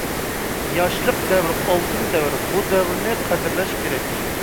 ياشلىق — دەۋر ئالتۇن دەۋر. بۇ دەۋرىنى قەدىرلەش كېرەك.